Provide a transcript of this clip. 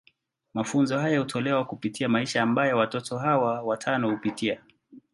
Mafunzo haya hutolewa kupitia maisha ambayo watoto hawa watano hupitia.